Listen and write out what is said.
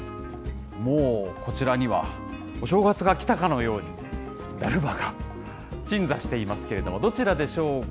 もうこちらには、お正月が来たかのように、だるまが鎮座していますけれども、どちらでしょうか？